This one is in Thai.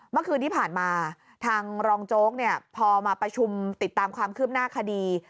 เมื่อคืนที่ผ่านมาทางรองโจ๊กเนี่ยพอมาประชุมติดตามความคืบหน้าคดี